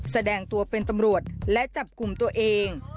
แสดงตัวเป็นตำรวจและจับกลุ่มตัวเอง